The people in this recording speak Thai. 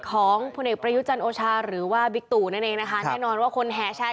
ของพลเอกประยุจันทร์โอชาหรือว่าบิ๊กตู่นั่นเองนะคะแน่นอนว่าคนแห่แชร์